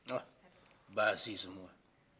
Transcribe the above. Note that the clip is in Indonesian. oh basi semua